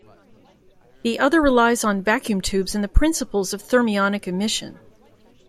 The other relies on vacuum tubes and the principles of thermionic emission.